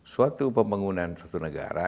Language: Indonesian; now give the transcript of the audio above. suatu pembangunan satu negara